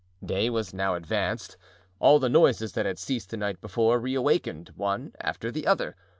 Day was now advanced; all the noises that had ceased the night before reawakened, one after the other.